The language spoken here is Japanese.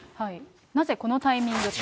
なぜこのタイミングか。